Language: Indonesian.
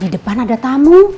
di depan ada tamu